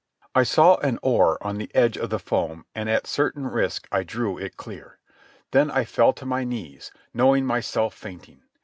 I saw an oar on the edge of the foam, and at certain risk I drew it clear. Then I fell to my knees, knowing myself fainting.